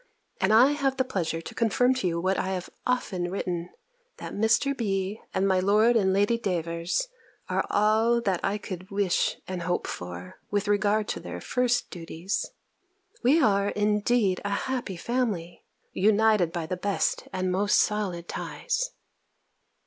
And I have the pleasure to confirm to you what I have often written, that Mr. B. and my Lord and Lady Davers are all that I could wish and hope for, with regard to their first duties. We are indeed a happy family, united by the best and most solid ties!